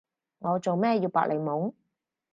我做咩要搏你懵？